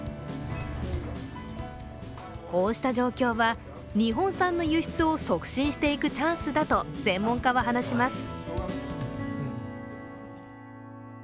こうした状況は、日本産の輸出を促進していくチャンスだと専門家は話します。